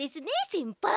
せんぱい。